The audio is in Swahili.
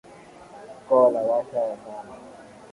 Koo lawasha sana.